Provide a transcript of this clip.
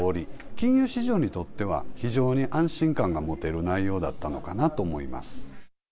金融市場にとっては、非常に安心感が持てる内容だったのかなと思います。